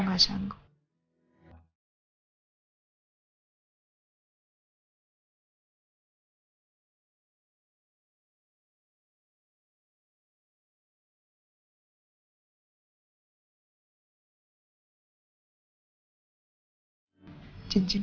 aku gak siap dan aku gak sanggup